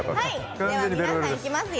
では皆さんいきますよ。